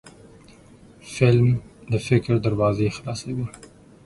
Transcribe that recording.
فلم د فکر دروازې خلاصوي